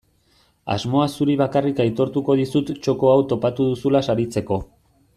Asmoa zuri bakarrik aitortuko dizut txoko hau topatu duzula saritzeko.